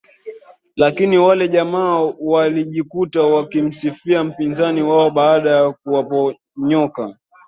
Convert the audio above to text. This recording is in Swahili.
Lakini wale jamaa walijikuta wakimsifia mpinzani wao baada ya kuwaponyoka